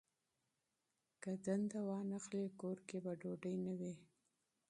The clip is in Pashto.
که دنده وانخلي، کور کې به ډوډۍ نه وي.